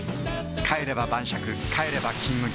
帰れば晩酌帰れば「金麦」